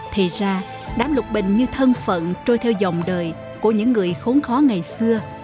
thì ra đám lục bình như thân phận trôi theo dòng đời của những người khốn khó ngày xưa